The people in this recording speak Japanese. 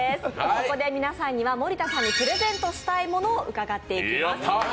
そこで皆さんには森田さんにプレゼントしたいものを伺っていきます。